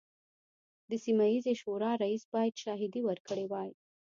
د سیمه ییزې شورا رییس باید شاهدې ورکړي وای.